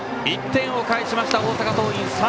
１点を返しました、大阪桐蔭。